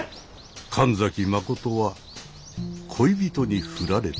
神崎真は恋人に振られた。